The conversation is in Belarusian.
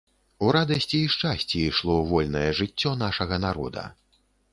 У радасці і шчасці ішло вольнае жыццё нашага народа.